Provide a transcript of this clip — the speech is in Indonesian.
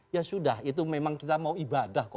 ya sudah memang kita mau ibadah